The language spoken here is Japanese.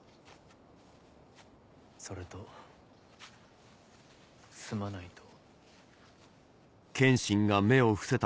それと「すまない」と。